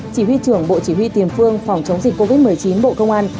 chỉ huy trưởng bộ chỉ huy tiền phương phòng chống dịch covid một mươi chín bộ công an